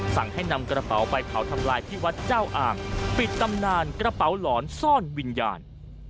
สั่งให้นำกระเป๋าไปเผาทำลายที่วัดเจ้าอ่างปิดตำนานกระเป๋าหลอนซ่อนวิญญาณ